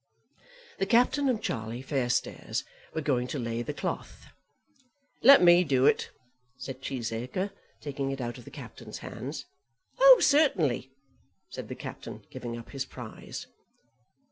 The Captain and Charlie Fairstairs were going to lay the cloth. "Let me do it," said Cheesacre taking it out of the Captain's hands. "Oh, certainly," said the Captain, giving up his prize.